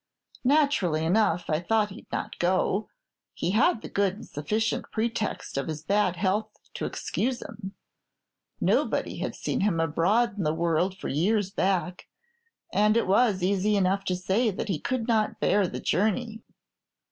Naturally enough, I thought he 'd not go; he had the good and sufficient pretext of his bad health to excuse him. Nobody had seen him abroad in the world for years back, and it was easy enough to say that he could not bear the journey.